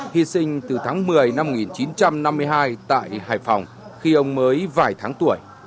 hy sinh từ tháng một mươi năm một nghìn chín trăm năm mươi hai tại hải phòng khi ông mới vài tháng tuổi